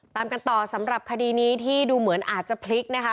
ตามกันต่อสำหรับคดีนี้ที่ดูเหมือนอาจจะพลิกนะคะ